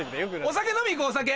お酒飲み行こうお酒。